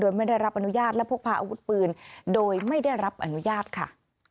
โดยไม่ได้รับอนุญาตและพกพาอาวุธปืนโดยไม่ได้รับอนุญาตค่ะ